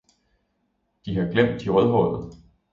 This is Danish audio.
De har glemt de rødhårede!